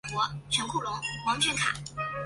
湄拉为女王和水行侠的爱人。